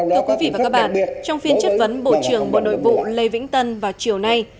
thưa quý vị và các bạn trong phiên chất vấn bộ trưởng bộ nội vụ lê vĩnh tân vào chiều nay